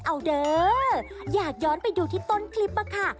เอาเด้ออยากย้อนไปดูที่ต้นคลิปอะค่ะ